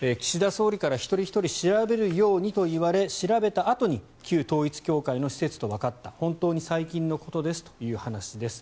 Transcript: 総理から一人ひとり調べるようにと言われ調べたあとに旧統一教会の施設とわかった本当に最近のことですという話です。